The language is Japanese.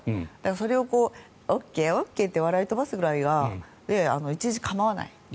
それをＯＫ、ＯＫって笑い飛ばすぐらいでいちいち構わない。